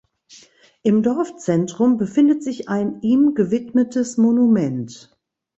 Im Dorfzentrum befindet sich ein ihm gewidmetes Monument.